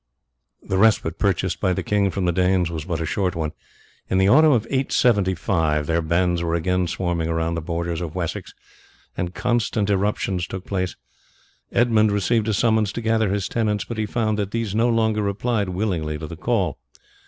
The respite purchased by the king from the Danes was but a short one. In the autumn of 875 their bands were again swarming around the borders of Wessex, and constant irruptions took place. Edmund received a summons to gather his tenants, but he found that these no longer replied willingly to the call.